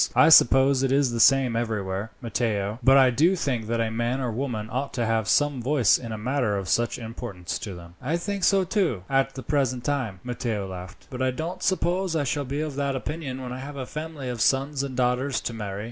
I suppose it is the same everywhere, Matteo, but I do think that a man or woman ought to have some voice in a matter of such importance to them." "I think so, too, at the present time," Matteo laughed; "but I don't suppose that I shall be of that opinion when I have a family of sons and daughters to marry.